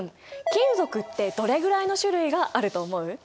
金属ってどれぐらいの種類があると思う？